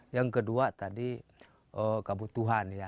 yang kedua tadi kebutuhan ya